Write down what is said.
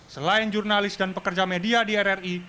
selain jurnalis dan pekerja media di rri